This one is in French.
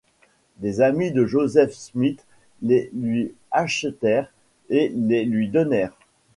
Des amis de Joseph Smith les lui achetèrent et les lui donnèrent.